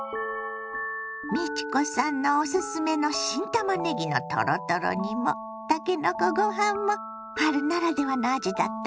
美智子さんのおすすめの新たまねぎのトロトロ煮もたけのこご飯も春ならではの味だったわねぇ。